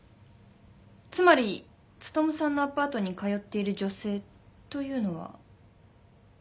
つまり努さんのアパートに通っている女性というのは。